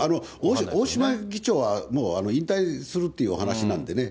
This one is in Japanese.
大島議長は、もう引退するっていうお話なんでね。